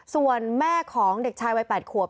ส่วนแม่ของเด็กชายวัย๘ขวบ